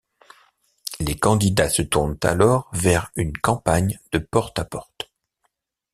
Les candidats se tournent alors vers une campagne de porte à porte.